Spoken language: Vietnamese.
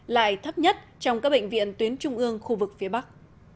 lại thấp nhất trong các bệnh viện tuyến trung ương khu vực phía bắc